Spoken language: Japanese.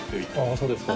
そうですか？